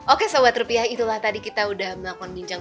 oke sahabat rupiah itulah tadi kita udah melakukan bincang